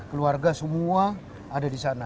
keluarga semua ada di sana